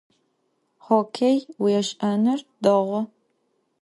Xokkêy vuêş'enır değu.